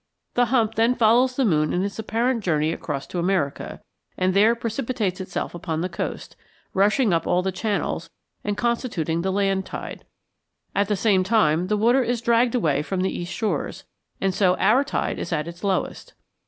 The hump then follows the moon in its apparent journey across to America, and there precipitates itself upon the coast, rushing up all the channels, and constituting the land tide. At the same time, the water is dragged away from the east shores, and so our tide is at its lowest.